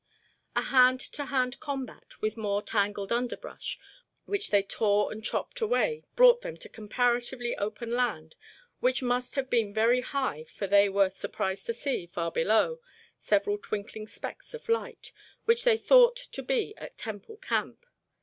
A hand to hand combat with more tangled underbrush, which they tore and chopped away, brought them to comparatively open land which must have been very high for they were surprised to see, far below, several twinkling specks of light which they thought to be at Temple Camp.